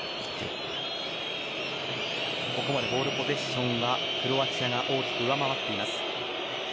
ここまでボールポゼッションはクロアチアが大きく上回っています。